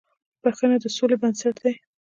• بښنه د سولې بنسټ دی.